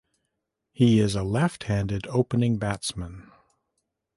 He is a left handed opening batsman.